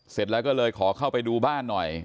เสร็จแล้วก็เลยขอเข้าไปดูบ้านหน่อย